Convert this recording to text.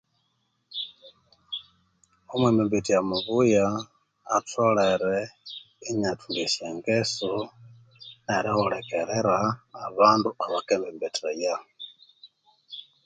Omwembembethya mubuya atholere iniathunga esyangesu erihulikirira abandu abakembembethaya